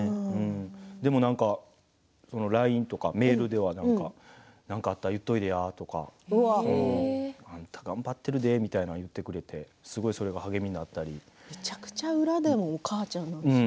でもなんかＬＩＮＥとかメールではなんかあったら言っておいでやとかあんた頑張っているで、とか言ってくれてめちゃくちゃ裏でもお母ちゃんなんですね。